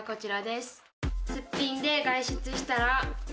すっぴんで外出したら。